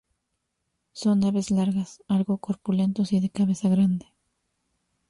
Son aves largas, algo corpulentos, y de cabeza grande.